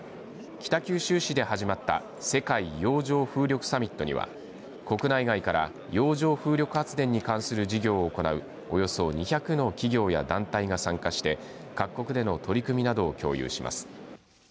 北九州市で始まった世界洋上風力サミットには国内外から洋上風力発電に関する事業を行うおよそ２００の企業や団体が参加して各国での取り組みなどを共有します。